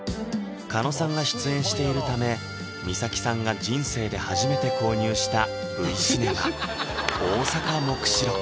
狩野さんが出演しているため美咲さんが人生で初めて購入したＶシネマ「大阪黙示録」